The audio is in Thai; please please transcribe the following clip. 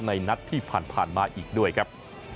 นัดที่ผ่านมาอีกด้วยครับ